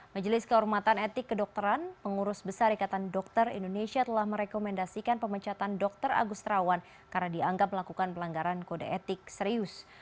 majelis kehormatan etik kedokteran pengurus besar ikatan dokter indonesia telah merekomendasikan pemecatan dokter agus terawan karena dianggap melakukan pelanggaran kode etik serius